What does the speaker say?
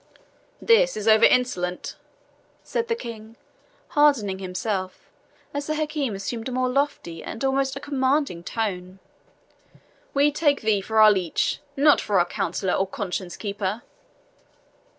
"This is over insolent," said the King, hardening himself, as the Hakim assumed a more lofty and almost a commanding tone. "We took thee for our leech, not for our counsellor or conscience keeper."